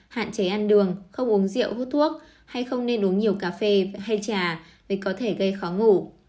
hạn chế ăn đường không uống rượu hút thuốc hay không nên uống nhiều cà phê hay trà vì có thể gây khó ngủ